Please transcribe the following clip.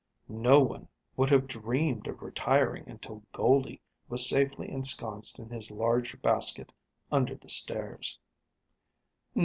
No one would have dreamed of retiring until Goldie was safely ensconced in his large basket under the stairs.